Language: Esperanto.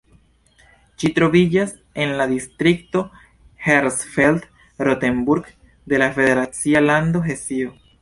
Ĝi troviĝas en la distrikto Hersfeld-Rotenburg de la federacia lando Hesio.